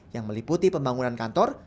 yang meliputi pembangunan kantor